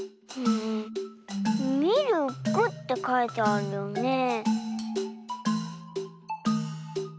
「みるく」ってかいてあるよねえ。